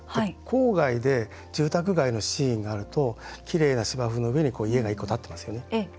郊外で住宅街のシーンがあるときれいな芝生の上に家が１戸、建ってますよね。